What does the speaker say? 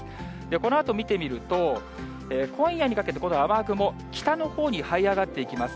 このあと見てみると、今夜にかけて、この雨雲、北のほうにはい上がっていきます。